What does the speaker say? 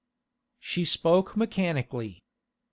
She spoke mechanically.